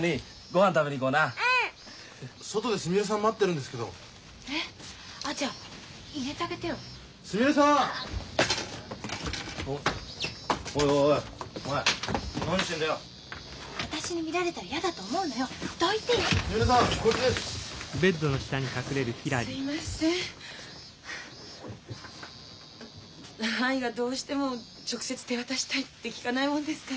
藍がどうしても直接手渡したいって聞かないものですから。